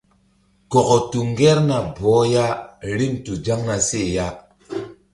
Kɔkɔ tu ŋgerna bɔh ya rim tu zaŋ na seh ya.